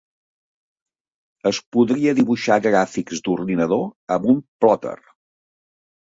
Es podria dibuixar gràfics d'ordinador amb un plòter.